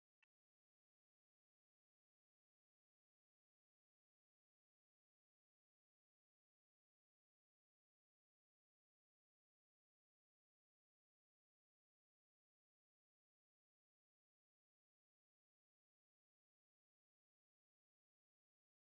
ขอบคุณมากค่ะ